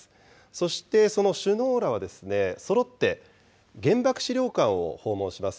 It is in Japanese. そしてその首脳らはそろって原爆資料館を訪問します。